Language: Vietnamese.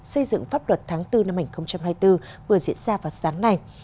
xây dựng pháp luật tháng bốn năm hai nghìn hai mươi bốn vừa diễn ra vào sáng nay